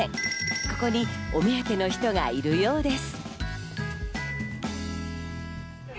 ここにお目当ての人がいるようです。